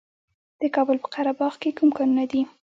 د کابل په قره باغ کې کوم کانونه دي؟